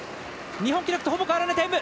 日本記録とほぼ変わらないタイム！